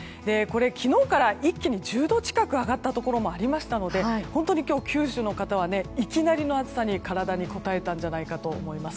昨日から一気に１０度近く上がったところもありましたので本当に今日、九州の方はいきなりの暑さ体にこたえたんじゃないかと思います。